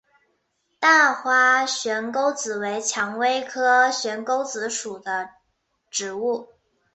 大花悬钩子为蔷薇科悬钩子属的植物。